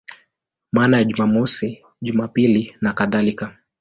Maana ya Jumamosi, Jumapili nakadhalika.